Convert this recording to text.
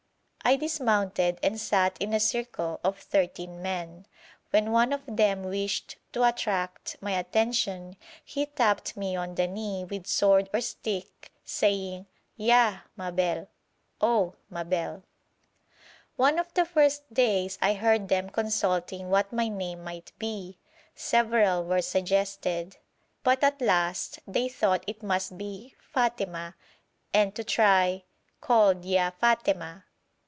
I dismounted, and sat in a circle of thirteen men. When one of them wished to attract my attention he tapped me on the knee with sword or stick, saying, 'Ya oh, Mabel!' One of the first days I heard them consulting what my name might be; several were suggested, but at last they thought it must be 'Fàtema' and to try called 'Ya Fàtema!'